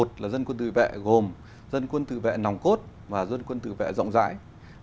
một là dân quân tự vệ gồm dân quân tự vệ nòng cốt và dân quân tự vệ rộng rãi